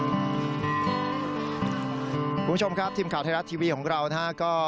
คุณผู้ชมครับทีมข่าวไทยรัฐทีวีของเรานะฮะ